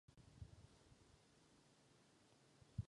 Záznamy by nikdy neměly být jednoduše zlikvidovány jako odpad.